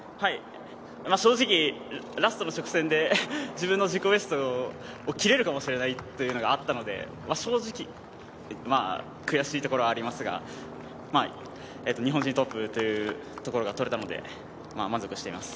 正直ラストの直線で自分の自己ベストを切れるかもしれないというのがあったので正直、悔しいところはありますが、日本人トップというところがとれたので、満足しています。